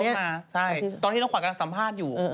พี่ลูกแก้วโทรมาตอนที่น้องขวานกำลังสัมภาษณ์อยู่